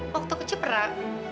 waktu kecil pernah